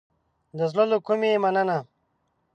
د زړه له کومې مننه